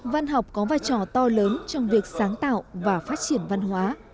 văn học có vai trò to lớn trong việc sáng tạo và phát triển văn hóa